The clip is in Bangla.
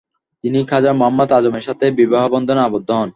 তিনি খাজা মোহাম্মদ আজমের সাথে বিবাহবন্ধনে আবদ্ধ হন।